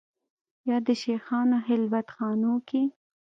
یا د شېخانو خلوت خانو کې